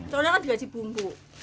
soalnya kan digaji bumbu